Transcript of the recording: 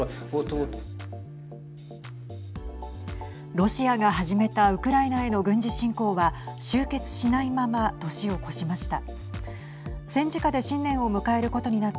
ロシアが始めたウクライナへの軍事侵攻は終結しないまま年を越しました。